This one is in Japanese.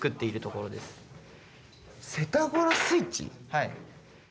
はい。